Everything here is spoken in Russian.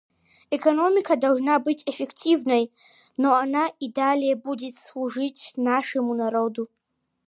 Экономика должна быть эффективной, но она и далее будет служить нашему народу.